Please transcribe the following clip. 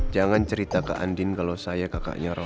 jangan cerita ke andin kalau saya kakaknya roll